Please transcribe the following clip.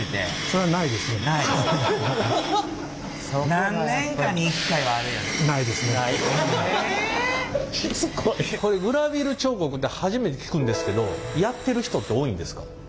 こういうグラヴィール彫刻って初めて聞くんですけどやってる人って多いんですか？